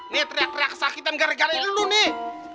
nih teriak teriak kesakitan gara gara lo nih